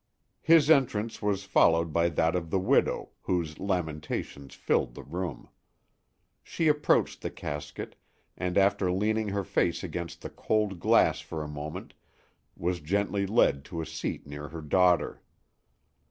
His entrance was followed by that of the widow, whose lamentations filled the room. She approached the casket and after leaning her face against the cold glass for a moment was gently led to a seat near her daughter.